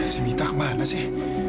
si mita kemana sih